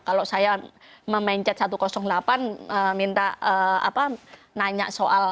kalau saya memencet satu ratus delapan minta nanya soal